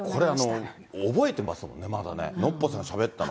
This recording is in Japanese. これ、覚えてますもんね、まだね、ノッポさん、しゃべったの。